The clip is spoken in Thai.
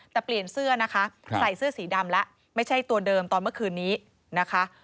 แต่เปลี่ยนเสื้อนะคะใส่เสื้อสีดำแล้วไม่ใช่ตัวเดิมตอนเมื่อคืนนี้นะคะ